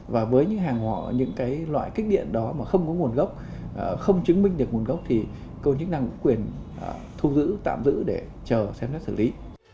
và với những hàng họ những loại kích điện đó mà không có nguồn gốc không chứng minh được nguồn gốc thì cơ chức năng có quyền thu giữ tạm giữ để chờ xem xét xử lý